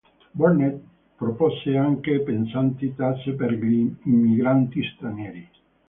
Burnett propose anche pesanti tasse per gli immigrati stranieri.